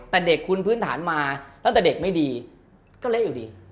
แต่เด็กคุณพื้นฐานมาตั้งแต่เด็กไม่ดีก็เละอยู่ดี